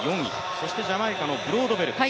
そしてジャマイカのブロードベルです。